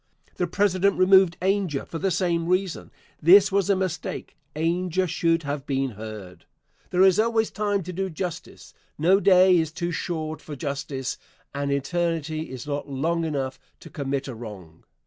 The President removed Ainger for the same reason. This was a mistake. Ainger should have been heard. There is always time to do justice. No day is too short for justice, and eternity is not long enough to commit a wrong.